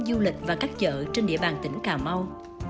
du lịch và các chợ trên địa bàn tỉnh cà mau